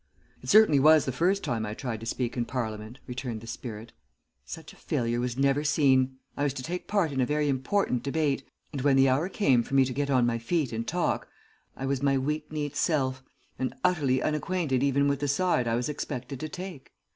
"It certainly was the first time I tried to speak in Parliament," returned the spirit. "Such a failure was never seen. I was to take part in a very important debate, and when the hour came for me to get on my feet and talk, I was my weak kneed self and utterly unacquainted even with the side I was expected to take.